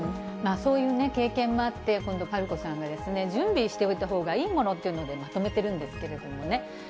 そういう経験があって、今度、ぱるこさんがですね、準備しておいたほうがいいものというのを、まとめてるんですけれどもね。